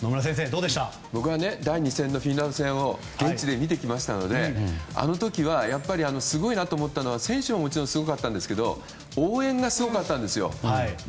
僕は第２戦フィンランド戦現地で見てきましたのであの時はすごいなと思ったのが選手もすごかったんですけど応援がすごかったんですよ。